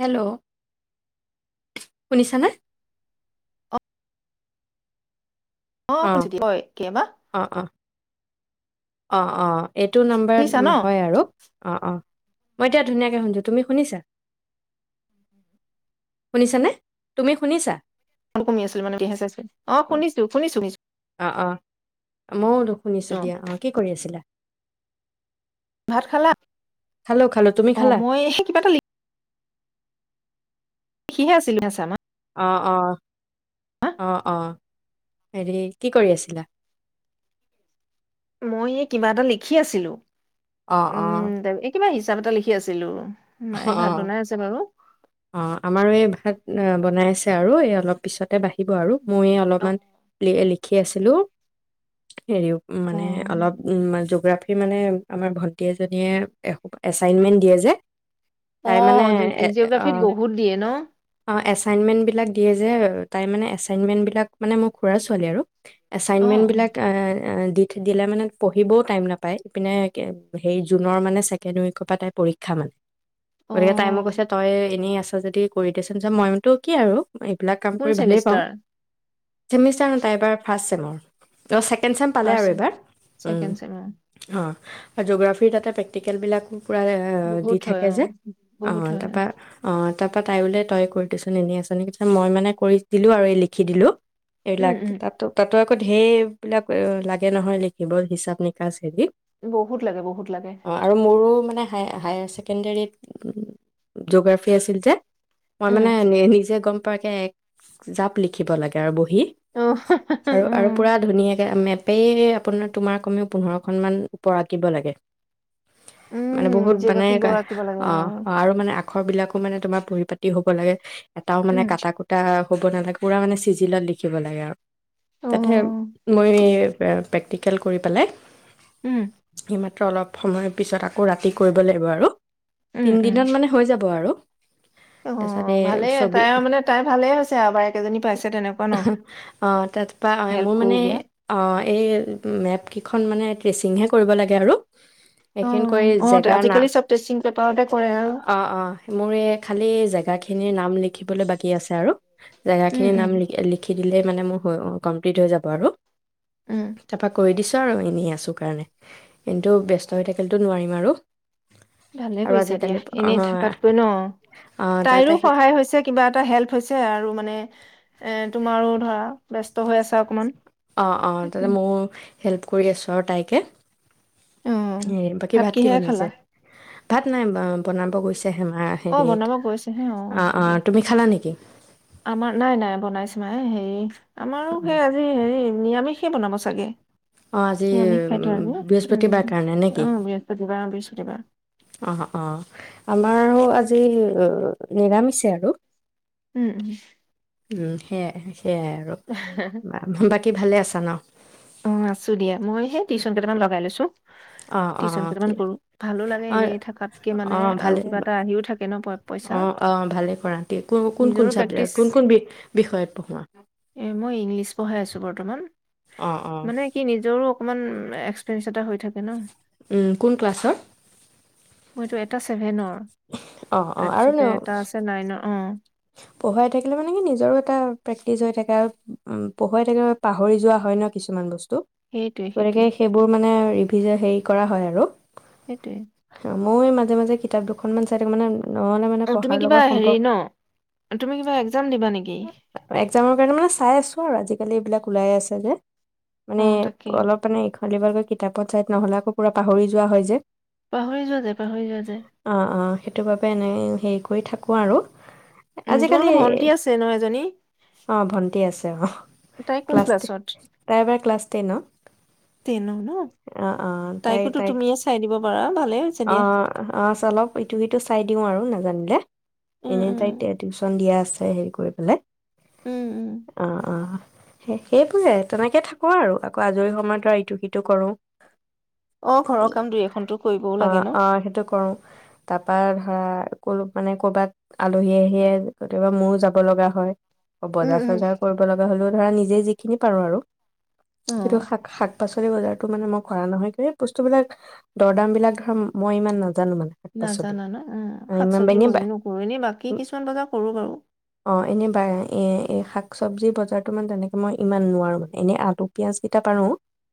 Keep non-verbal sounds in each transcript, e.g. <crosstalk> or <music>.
Hello শুনিছানে অ অ শনি হয় কেবা অ', অ', অ অ এইটো নাম্বাৰত শুনিছা ন নহয় আৰু অঁ অঁ মই এতিয়া ধুনীয়াকৈ শুনিছো তুমি শুনিছা শুনিছানে তুমি শুনিছা বহুত কমি আছিল মানে এতিয়াহে চাইছো অ শুনিছো শুনিছো শুনিছো অ অ মোৰ শুনিছো দিয়া অ কি কৰি আছিলা ভাত খালা খালো খালো তুমি অ খালা মই এই কিবা এটা সিহে আছিল ছামা অ অ অ অ হেৰি কি কৰি আছিলা মই এই কিবা এটা লিখি আছিলো অ', উম অ', তাব এই কিবা আহিছ হিচাপ এটা লিখি আছিলো অ মায়ে অ ভাত বনাই আছে বাৰু অ আমাৰো এই ভাত অ বনাই আছে আৰু এই অলপ পিছতে বাঢ়িব আৰু মইয়ে অলপমান লে‌ লি লিখি আছিলো হেৰি অ মানে অলপ জগ্ৰাফী মানে আমাৰ ভণ্টি এজনীয়ে এচাইনমেণ্ট দিয়ে যে অ তাই মানে এ জিঅ'গ্ৰাফিত অ', বহুত দিয়ে ন অ', এছাইনমেণ্টবিলাক দিয়ে যে তাই মানে এছাইনমেণ্টবিলাক মানে মোৰ খুৰা ছোৱালী আৰু অ এছাইনমেণ্টবিলাক এ এ দিঠ দিলে মানে পঢ়িবও টাইম নাপায় ইপিনে সেই জুনৰ মানে ছেকেণ্ড উইকৰ পৰা তাই পৰীক্ষা মানে অ গতিকে তাই মোক কৈছে তই এনেই আছ যদি কৰি দেচোন চ মইতো কি আৰু বিলাক ক কোন ভাল পাও চেমিষ্টাৰ চনৰৰ। অ ছেকেণ্ড চেম পালে ফাৰ্ষ্ট আৰু চেম এইবাৰ ছেকেণ্ড চেম অ অ আৰু জোগ্ৰাফিৰ তাতে প্ৰেক্টিকেল বিলাক পুৰা দি বহুত থাক হয় অ যে অ বহুত হয় তাৰপা অ। তাৰ পৰা তাই বোলো তই কৰি দিচোন এনেই আছ নে কি মই মানে কৰি দিলো আৰু এই লিখি দিলো। উম এইিলাক উম তাতো তাতো। হৈই বিলাক লাগে নহয় লিখিব হিচাপ নিকা। বহুত লাগে বহুত লাগে অ আৰু মোৰো মানে। হায়া হায়াৰেছে ছেকেণ্ডৰ জিঅ'গ্ৰাফী আছিল যে। মই উম মানে নিজে গম। ে এক জাপ লিখিব লাগে আৰু বহি অ আৰু আৰু উম পুৰা ধুনীয়াকে। এপেই আপোনাৰ তোমাৰ কমেও পোন্ধৰখন মান ওপৰ আঁকিব লাগে মানে বহুত উম, বনাই জিঅ'গ্ৰাফিত ক বৌ ৰাখিব লাগে অ অ আৰু মানে আাখৰ বিলাকো মানে তোমাৰ পৰিু পাতি হ'ব লাগে। এটাও মানে উম। কটা কুটা। হ'ব নালাগে পূৰা মানে চিজিলত লিখিব লাগে আৰু। তাতে অ'। মই। প্ৰেক্টিকেল কৰি পেলাই উম। মাত্ৰ অলপ সময়ৰ পিছত আকৌ ৰাতি কৰিব লাগিব আৰু। উম, তিনি উম। দিনত মানে হৈ যাব আৰু। অ তাৰপিছতে ভালেই ছবি তাই মানে তাই ভালে হৈছে এবাৰ কেইজনী পাইছে তেনেকুৱা ন অ', তাৰপৰা হেল্প মোৰ কৰো মানে দিয়া। অ', এই মেপকেইখন মানে ট্ৰেচিংহে কৰিব লাগে আৰু অ সেইখিনি কৰি অ জেগাৰ নাম আজিকালি চব সিং অ অ মোৰ এই খালি জেগাখিনিৰ নাম লিখিবলৈ বাকী আছে আৰু জেগা উম, খিনিৰ উম। নাম লিখি দিলে মানে মোৰ কমপ্লিট হৈ যাব আৰু। উম, তাৰাপা কৰি দিছো। আৰু এনে আছোঁ কাৰণে কিন্তু ব্যস্ত হৈ থাকিলেতো নোৱাৰিম আৰু। ভালে আৰু কৰিছা দিয়া আজিকালি অ এনে থকাতকৈ ন অ তাতে তাইৰো সেই সহায় হৈছে কিবা এটা হেল্প হৈছে আৰু মানে এ তোমাৰো ধৰা ব্যস্ত হৈ আছা অকমান। অ অ তাতে মোৰ হেল্প কৰি আছোঁ আৰু তাইকে অ', হে বাকী ভাত কি কিহেৰে খালা? বনাইছে ভাত নাই বনাব গৈছে হেমাৰ অ', হেৰিত বনাব গৈছেহে অ হ'ব অ দিয়া। তুমি খালা নেকি আমাৰ নাই নাই বনাইছো মাই হেৰি আমাৰো সেই আজি হেৰি নিৰামিষ সেই বনাব চাগে অ আজি আমি খাইতো উম, আৰু উম বৃহস্পতিবাৰ কাৰণে অ নেকি বৃহস্পতিবাৰ বিছ কিতাবা অ অ আমাৰো আজি নিৰামিছে আৰু উম উম উম সে সেয়াই আৰু বাকী ভালে আছনা অ আছো দিয়া মই সেই টিউশ্যন কেইটামান লগাই লৈছো অ অ টিউচন অ কেইটামান কি কৰো ভালো লাগে অ এনেই থাকাতকে মানে অ আৰু ভালেই কিবা এটা আহিও থাকে ন প পইচা অ অ ভালে কৰাট ক কোন কোন নিজৰো চাবজেক্ট প্ৰেক্টিচ কোন কোন বি বিষয়ত পঢ়োৱা এ মই ইংলিছ পঢ়াই আছো বৰ্তমান অ', অ', মানে কি নিজৰো অকণমান এক্সপেঞ্চ এটা হৈ থাকে ন কোন ক্লাছৰ মইটো এটা ছেভেনৰ অ', তাৰপিছতে এটা আছে নাইন অ পঢ়াই থাকিলে মানে কি নিজৰো এটা প্ৰেক্টিছ হৈ থাকে আৰু উম পঢ়ুৱাই থাকিলে পাহৰি যোৱা হয় ন কিছুমান বস্তু সেইটোৱে সেইটোৱে গতিকে সেইবোৰ মানে ৰিভিজ হেৰি কৰা হয় আৰু সেইটোৱে মই মাজে মাজে কিতাপ দুখনমান চাই থাকঁ মানে নহ'লে মানে অ তুমি পঢ়াৰ কিবা লগত হেৰি সম্পৰ্ক ন তুমি কিবা এক্সাম দিবা নেকি এক্জামৰ কাৰণে মানে চাই আছো আৰু আজিকালি এইবিলাক ওলাই আছে যে অ মানে তাকে অলপ মানে অলি ভালকৈ কিতাপত ছাই নহ'লে আকৌ পাহৰি যোৱা হয় যে পাহৰি যোৱা য পাহৰি যোৱা যায় সেইটোৰ বাবে এনেই হেৰি কৰি থাকোঁ আৰু উম ', আজিকালি তোমালোকৰ ভন্টি আছে ন এজনী অঁ ভণ্টি আছে অঁ তাই কোন ক্লাছ ক্লাছত? তাই এবাৰ ক্লাছ টেনত টেন ন অঁ তাইকোতো তুমিয়ে চাই দিব পৰা ভাল অহ ', - অহ ', চলপ ইটো সিটো চাই দি। দিও আৰু নাজানিলে। উম উম এনে াইতে টিউশন দিয়া ছে হেৰি কৰি পেলাই। উম উম অহ ', - অহ ', সেইবোৰে তেনেকে থাকো আৰু আকৌ আজৰি সময়ত ধৰা ইটো সিটো কৰো। অহ ', ঘৰৰ কাম দুই এখন তো কৰিবও লাগে। অহ ন -অহ সেইটো কৰো তাৰপৰা ধৰা ক মানে কৰ'বাত আলহী আহিয়ে কেতিয়াবা মোৰো যাব লগা হয়। উম বজাৰ উম চজাৰ কৰিব লগা হলেও ধৰা নিজে। যিখিনি পাৰো আৰু অ এইটো শাক - শাক পাচলি। বজাৰতো মানে মই কৰা নহয় বস্তু বিলাক দৰ দাম বিলাক। মই ইমান নাজানো মানে শাক পাচলি নাজানা ন উ শাক ইমান চব্জি এনে মইবি নকৰো এনেই বাকী কিছুমান বজাৰ কৰো বাৰু এই শাক চব্জি বজাৰটো মান তেনেকৈ মই ইমান নোৱাৰোঁ মানে এনে আলু পিঁয়াজকেইটা পাৰোঁ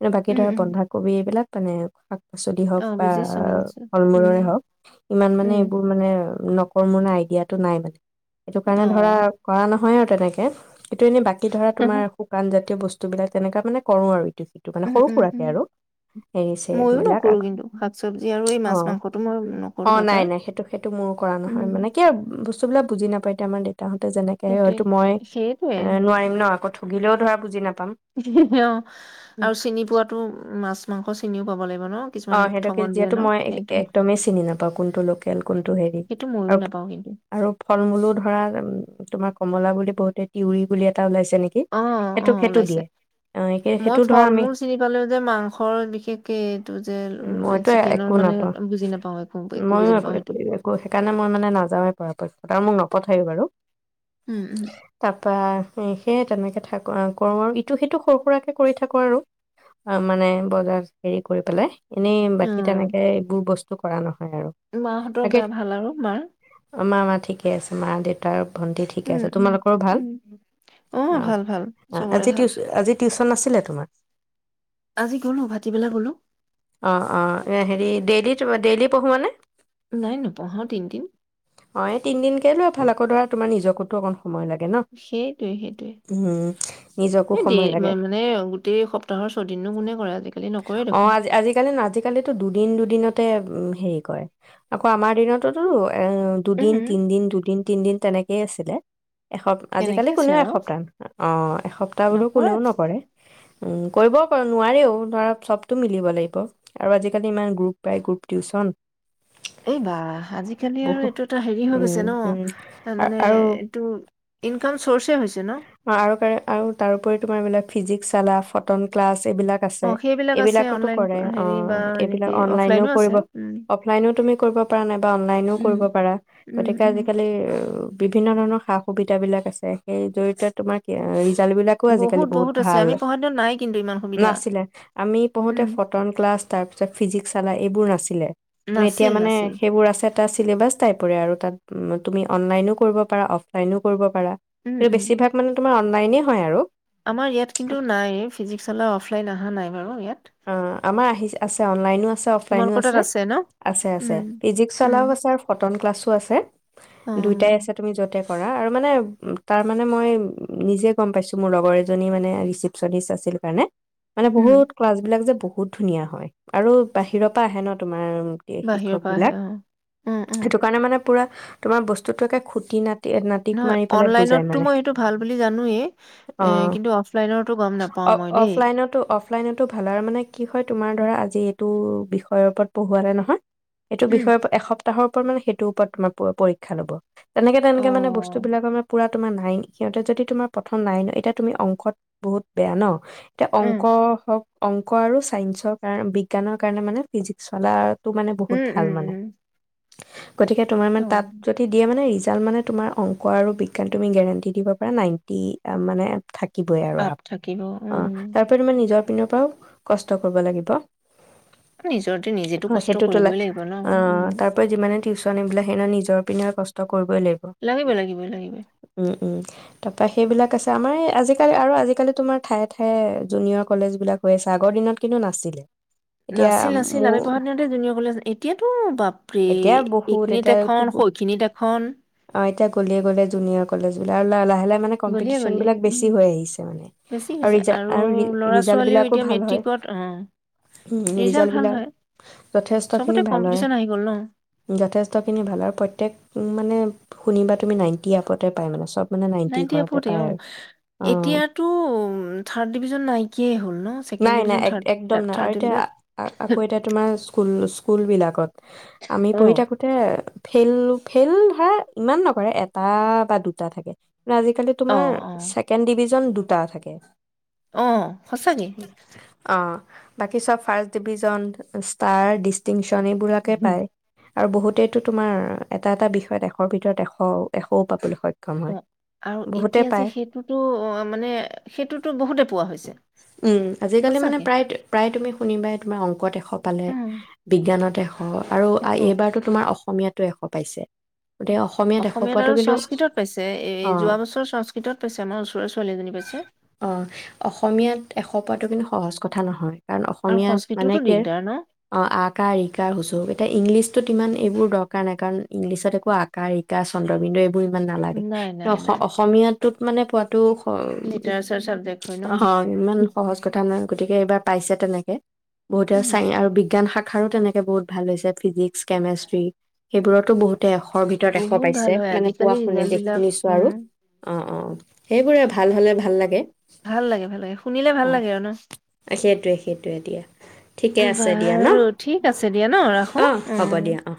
আৰু বাকী উম ধৰা উম বন্ধাকবি এইবিলাক। মানে পাচলি হওক অ বা বুজিছো আৰু বুজিছো ফল উম মূলৰে হওক ইমান মানে উম এইবোৰ মানে ন কৰ্মনা আইডিয়াটো নাই মানে। সেইটো অ কাৰণে ধৰা কৰা নহয় আৰু তেনেকে, এইটো এনেই বাকী কি ধৰা তোমাৰসোঁ শুকান জাতীয় বস্তু। সুবিলাক তেনেকা মানে কৰো আৰু। সিটো মানে উম সৰু উম সুৰাকে উম আৰু এৰিছে ময়ো এইবিলাক নকৰো আকৌ। কিন্তু শাক চবজি আৰু এই মাছ অহ', মাংসটো মই - নকৰো অহ', নাই বজাৰ। - নাই সেইটো - সেইটো মোৰো কৰা উম। নহয় মানে কি বস্তু। সেইবিলাক বুজি নাপায়াই তেমাদিক <unintelligible> তাহতে যেনেকে সেইটোৱে হয়তো মই সেইটোৱে এ নোৱাৰিম ন ক গিলেও ধৰা বুজিনাপায়। হ -হ অহ ', আৰু চিনি পোৱাতো মাছ মাংস চিনিও পাব লাগিব ন। অ কিছুমান সেইতো‌ ঠগন দিয়ে যিহেতু ন মই সেইটো একদমেই চিনি নাপাওঁ কোনটো লোকেল কোনটো হেৰি সেইটো ময়ো আৰু নাপাওঁ কিন্তু আৰু ফল মূলো ধৰা তোমাৰ কমলা বুলি বহুতে তিউৰি বুলি এটা ওলাইছে। নেকি অ অ সেইটো সেইটো ওলাইছে দিয়ে অ মই সেইটো ধৰা ফল আমি মূল চিনি পালেও যে মাংসৰ বিশেষকে এইটো যে উম মইতো চিকেনৰ একো মানে নাপাওঁ। বুজি নাপাওঁ একো মইও বুজি একো নাপাওঁ সেইটো একো সেইকাৰণে মই মানে নাযাওৱেই পৰাপক্ষত। আৰু মোক নপঠায়ো বাৰু। উম উম তাৰপা। সেয়ে তেনেকে থাকো কৰো আৰু ইটো সিটো সৰু সুৰাকে কৰি থাকো আৰু অ মানে বজাৰ হেৰি কৰিব। পেলাই। এনেই বাকী তেনেকে অ এইবোৰ বস্তু। ত কৰা নয়। মাহঁতৰ গা ভাল আৰু মাৰ? মা মা ঠিকে আছে মা দেউতাৰ ভণ্টি ঠিকে উম আছে। উম তোমালোকৰ ভাল? উম অ ভাল ভাল অ চবৰে আজি ভাল টিউছন - আজি টিউছন আাছিলে তোমাৰ? আজি গ'লো ভাটিবেলা গ'লো অ অ হেৰি ডেইলি ডেইলি পঢ়ুৱা নে? নাই নপঢ়াও তিনদিন। কাল আকৌ ধৰা তোমাৰ নিজকতো অকণ সময় লাগে ন সেইটোৱে - সেইটোৱে। উম নিজকো এই দেই সময় লাগে মানে গোটেই সপ্তাহৰ ছদিন নো কোনে কৰে আজিকালি নকৰে। অ দেখোন আজি আজিকালি না আজিকালিতো দুদিন দুদিন দিনতে হেৰি কয় আকৌ আমাৰ দিনতোতু দুদিন, উহু, তিনিদিন, দুদিন, তিনিদিন। তেনেকেই আছিলে। এসপ্তাহ কেনেকে আজিকালি কোনেও আছিলে বাৰু এসপ্তাহ ন অ এসপ্তাহ বুলি কোনেও নকৰে। উম কৰিবো নোৱাৰেও ধৰা চব। তু মিলিব লাগিব আৰু আজিকালি ইমান গ্ৰুপ পায় গ্ৰুপ টিউচন। এইবাহ! আজিকালি আৰু বহুত এইটো এটা হেৰি হৈ উম, গৈছে উম, ন আ- মানে আৰু এইটো ইনকাম চৰ্ছে হৈছে ন? ফিজিক্সশালা, ফটন ক্লাছ। এইবিলাক আছে। অ সেইবিলাক আছে এইবিলাকতো অনলাইন কৰে। অ হেৰি বা এইবিলাক এনেকে অনলাইনও অফলাইনো আছে কৰিব। উম অফলাইনও তুমি কৰিব পৰা নাই। বা অনলাইনও উম কৰিব পাৰা, উম গতিকে উম আজিকালি ও বিভিন্ন ধৰণৰ সা সুবিধাবিলাক আছে সেই জৰি়য়তে তোমাৰ ছাল বিলাকো আজিকালি বহুত আছে ভাল আমি পঢ়া দিনত নাই কিন্তু ইমান সুবিধা নাছিলে। আমি পঢোঢ়তে উম ফটন ক্লাছ তাৰ পিছ ফিজিক্স এইবোৰ নাছিলে কিন্তু এতিয়া নাছিল মানে নাছিল সেইবোৰ আছে এটা চছিলেবাছ টাইপৰে আৰু তাত তুমি অনলাইনো কৰিব পাৰা অফলাইনো কৰিব পা উম উম বেছি ভাগ মানে ত অনলাইনে হয় আৰু আমাৰ ইয়াত কিন্তু নাই ফিজিক্সালা অফলাইন অহা নাই বাৰু ইয়াত অ আমাৰ আহি আছে অনলাইনো আছে অফলাইনো তোমালোকৰ তাত আছে ন? আছে আছে উম, ফিজিক্স উম, চালাও আছে আৰু ফটন ক্লাছো আছে দুইটাই অ', আছে তুমি য'ত কৰা আৰু মানে তাৰ মানে মই নিজে গম পাইছো মোৰ লগৰ এজনী মানে ৰিচপনিষ্ট আছিল কাৰণে মানে উম, বহুত ক্লাছ বিলাক যে বহুত ধুনীয়া হয় আৰু বাহিৰৰ পৰা আহে ন তোমাৰ বাহিৰৰ শিক্ষক পৰা আহে বিলাক অ', উম, উম, সেইটো কাৰণে মানে পুৰা তোমাৰ বস্তুতটো একেুটি নাট নহয় অনলাইনতটো মই সেইটো ভাল বুলি জানোৱেই অ কিন্তু অফলাইনো গম নাপাওঁ অ মই দেই অফলাইনতো অফলাইনতো ভাল আৰু মানে কি হয় তোমাৰ ধৰা আজি এইটো বিষয়ৰ ওপৰত পঢ়হোৱালে নহয় এইটো উম, বিষয়ে এসপ্তাহৰ মেইটো ওপৰত তোমাৰ পৰীক্ষা ল'ব তেনেকে অ', তেনেকে মানে বস্তুবিলাক আমাৰ পুৰা তোমাৰ নাইন সিহঁতে যদি তোমাৰ প্ৰথম নাইন এতিয়া তুমি অংশত বহুত বেয়া ন এতিয়া উম, অংক হওক অংক আৰু ছাইন্সৰ কাৰণে বিজ্ঞানৰ কাৰণে মানে ফিজিক্স ফালা তটো মানে বহুত উম, ভাল উম, মানে উম, <unintelligible> গতিকে তোমাৰ মানে অ', তাত য দিয়ে মানে জাল্ট মানে তোমাৰ অংক আৰু বিজ্ঞান তুমি গেৰেণ্টি দিব পাৰা নাইণ্টি মানে থাকিবই আৰু আপ অঁ থাকিব উম, তাৰপ তোমাৰ নিজৰ পিনৰ পৰাও কষ্ট কৰিব লাগিব নিজৰতে নিজেতো অ', কষ্ট সেইটো তোলা কৰিবই লাগিব ন উম বোলে সেহ নিজৰ পিনে কষ্ট কৰিবই লাগিব লাগিব, লাগিব। উম উম তাৰপৰা সেইবিলাক আছে আমাৰ এই আজিকালি আৰু আজিকালি তোমাৰ ঠায়ে ঠায়ে জুনিয়ৰ কলেজবিলাক হৈ আছে আগৰ দিনত কিন্তু নাছিলে এতিয়া নাছিল নাছিল মোৰ আমি পঢ়াৰ দিনতে জুনিয়ৰ কলেজ এতিয়াতো বাপ প্ৰে এতিয়া বহুত এইখিনিত এতিয়াতো এখন সৈখিনিত এখন অ এতিয়া গলিয়ে গলিয়ে জুনিয়ৰ কলেজ বিলাক আৰু ল লাহে লাহে মানে গলিয়ে কম্পিটিচন গলিয়ে বিলাক উম, বেছি হৈ আহিছে মানে বেছি হৈছে আৰু ৰি ল'ৰা ৰিজাল্ট ছোৱালীও বিলাকো এতিয়া ভাল হয় মেট্ৰিকত অ ৰিজাল্ট ভাল বিলাক হয় যথেষ্টখিনি চবতে ভাল হয় কম্পিটিশ্যন আহি গ'ল ন যথেষ্টখিনি ভাল আৰু প্ৰত্যেক মানে শুনিবা তুমি নাইণ্টি আপতে পাই মানে চব মানে নাইনটি ঘৰতে নাইনটিআপতে পায় অ আৰু অ এতিয়াতো থাৰ্ড ডিভিজন নাইকিয়াই হ'ল ন ছেকেণ্ড নাই নাই ডিভিজন এক একদম থাৰ্ড নাই থাৰ্ড ডিভিজন সুল স্কুলবিলাকত আমি অ পঢ়ি থাকোঁতে ফেইল ফেইল ধৰা ইমান নকৰে এটা বা দুটা থাকে আজিকালি অ তোমাৰ অ ছেকেণ্ড ডিভিজন টা থাকে অহ সঁচাকে অ বাকী চব ফাৰ্ষ্ট ডিভিজন ষ্টাৰ ডিষ্টিংচন ধনীবোৰাকে উম, পায় আৰু বহুতেতো তোমাৰ এটা এটা বিষয়ত এশৰ ভিতৰত এশ এশও পাবলৈ সক্ষম কম অ হয় আৰু বহুতে এতিয়া যে পাই সেইটোতো অ, মানে সেইটোতো বহুতে পোৱা হৈছে উম আজিকালি মানে সঁচাকে প্ৰায় প্ৰায় তুমি শুনিবাই তোমাৰ অংকত এশ পালে উম, বিজ্ঞানত এশ হ'ব আৰু আ এশ এইবাৰতো তোমাৰ অসমীয়াত টো এশ পাইছে গতিকে এশ অসমীয়াত পোৱাটো আৰু কিন্তু সংস্কৃতত পাইছে এই অ', যোৱা বছৰ সংস্কৃতত পাইছে আমাৰ ওচৰৰ ছোৱালী এজনী পাইছে শ পোৱাটো কিন্তু সহজ কথা নহয় কাৰণ আৰু অসমীয়াত মানে সংস্কৃতোতো কে দিগদাৰ ন অ আকা ৰিকা হুঁচুৰ এতিয়া ইংলিছটোত ইমান এইবোৰ দৰকাৰ নাই কাৰণ ইংলিছত একো আকা ৰিকা চন্দ্ৰবিন্দু এইবোৰ বো ইমান নালাগে নাই কিন্তু নাই নাই অসমীয়াত টোত মানে পোৱা টো স লিটাৰেচাৰ চাবজেক্ট হয় ন অ ইমান সহজ কথা নাই গতিকে এইবাৰ পাইছে তেনেকে বহুতেই উম <unintelligible> আৰু বিজ্ঞান শাখা খাৰো তেনেকে বহুত ভাল হৈছে ফিজিক্স কেমেষ্ট্ৰি সেইবোৰতো বহুত তে এশৰ ভিতৰত এশ বহুত পাইছে ভাল হয় মানে পোৱা আজিকালি শুনি ৰিজাল্ট বিলাক দেখিনিছো উম আৰু অ অ সেইবোৰে ভাল হ'লে ভাল লাগে ভাল লাগে ভাল লাগে শুনিলে ভাল অ', লাগে আৰু ন সেইটোৱে সেইটোৱে দিয়া। ঠিকে আছে দিয়া ন' বাৰু ঠিক আছে দিয়া ন খো অ', হ'ব উম দিয়া অ'।